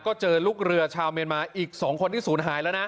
ก็เจอลูกเรือชาวเมียนมาอีก๒คนที่ศูนย์หายแล้วนะ